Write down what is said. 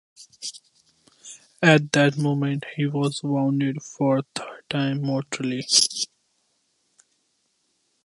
At that moment he was wounded for a third time - mortally.